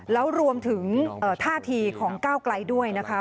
แล้วรวมถึงท่าทีของก้าวไกลด้วยนะคะ